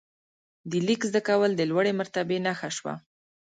د لیک زده کول د لوړې مرتبې نښه شوه.